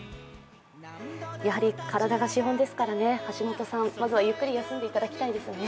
やはり体が資本ですからね、橋本さん、まずはゆっくり休んでいただきたいですね。